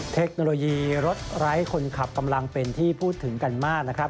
เทคโนโลยีรถไร้คนขับกำลังเป็นที่พูดถึงกันมากนะครับ